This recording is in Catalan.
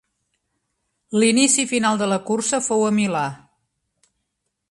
L'inici i final de la cursa fou a Milà.